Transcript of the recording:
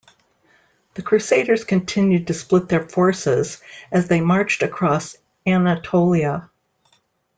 The Crusaders continued to split their forces as they marched across Anatolia.